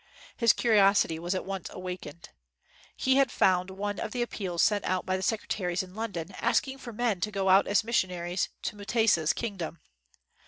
His curiosity was at once awakened. He had found one of the appeals sent out by the secretaries in Lon don asking for men to go out as missionaries to Mutesa's kingdom.